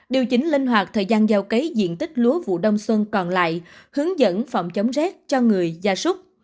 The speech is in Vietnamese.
điều chỉnh linh hoạt thời gian giao cấy diện tích lúa vụ đông xuân còn lại hướng dẫn phòng chống rét cho người gia súc